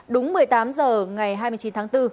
đúng một mươi tám h ngày hai mươi chín tháng bốn